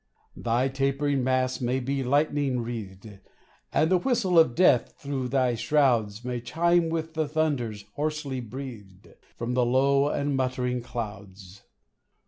Thy tapering masts may be lightning wreathed, And the whistle of death through thy shrouds May chime with the thunders, hoarsely breathed From the low and muttering clouds.